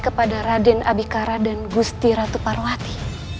kepada raden abikara dan gusti ratu parwati